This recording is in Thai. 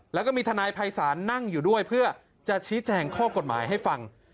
แล้วก็มีทนายภัยศาลนั่งอยู่ด้วยเพื่อจะชี้แจงข้อกฎหมายให้ฟัง